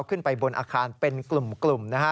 ขึ้นไปบนอาคารเป็นกลุ่มนะฮะ